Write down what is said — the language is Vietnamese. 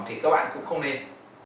thì các bạn cũng không nên